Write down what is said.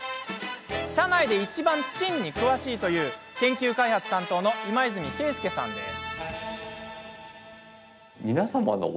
社内でいちばんチンに詳しいという研究開発担当の今泉圭介さんです。